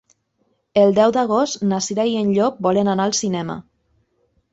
El deu d'agost na Cira i en Llop volen anar al cinema.